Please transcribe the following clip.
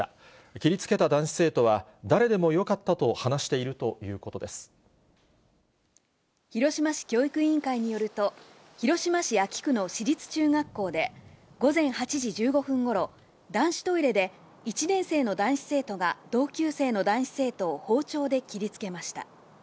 切りつけた男子生徒は、誰でもよかったと話しているということで広島市教育委員会によると、広島市安芸区の市立中学校で、午前８時１５分ごろ、男子トイレで、１年生の男子生徒が同級生の男子生徒を包丁で切りつけました。